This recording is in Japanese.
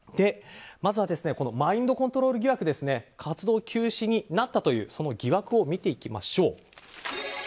まずは、マインドコントロール疑惑について活動休止になったその疑惑を見ていきましょう。